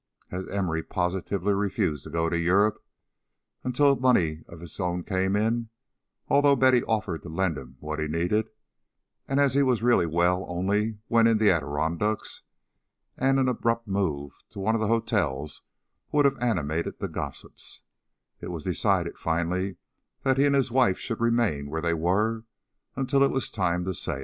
As Emory positively refused to go to Europe until money of his own came in, although Betty offered to lend him what he needed, and as he was really well only when in the Adirondacks, and an abrupt move to one of the hotels would have animated the gossips, it was decided finally that he and his wife should remain where they were until it was time to sail.